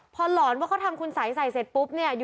พอหลอนว่าเขาทำคุณสัยใส่เสร็จปุ๊บเนี่ย